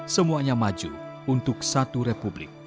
semuanya maju untuk satu republik